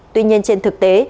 tuy nhiên trên thực tế